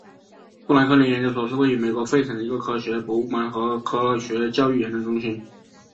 富兰克林研究所是位于美国费城的一个科学博物馆和科学教育研究中心。